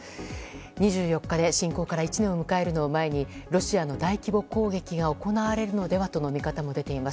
２４日で侵攻から１年を迎えるのを前にロシアの大規模攻撃が行われるのではとの見方も出ています。